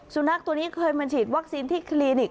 สุนัขตัวนี้เคยมาฉีดวัคซีนที่คลินิก